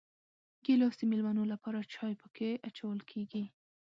ګیلاس د مېلمنو لپاره چای پکې اچول کېږي.